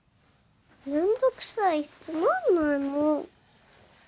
めんどくさいし、つまんないの。